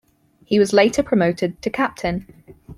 He was later promoted to captain.